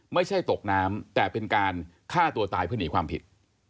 ไม่ใช่ตกน้ำแต่เป็นการฆ่าตัวตายเพื่อหนีความผิด